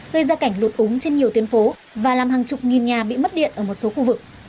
gây ra cảnh lụt úng trên nhiều tuyến phố và làm hàng chục nghìn nhà bị mất điện ở một số khu vực